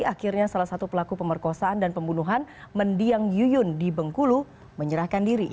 akhirnya salah satu pelaku pemerkosaan dan pembunuhan mendiang yuyun di bengkulu menyerahkan diri